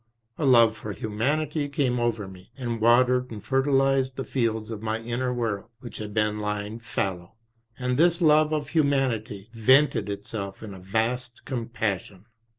A love for humanity came over me, and watered and fertilised the fields of my inner world which had been lying fallow, and this love of humanity vented itself in a vast compassion.